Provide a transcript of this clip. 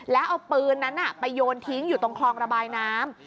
แล้วเอาปืนนั้นไปโยนทิ้งอยู่ตรงคลองระบายน้ำ